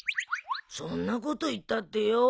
そんなこと言ったってよ。